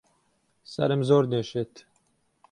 سەرم زۆر دێشێت